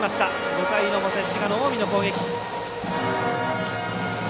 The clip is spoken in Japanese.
５回の表、滋賀の近江の攻撃。